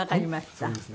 そうですね。